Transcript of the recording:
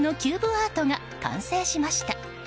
アートが完成しました。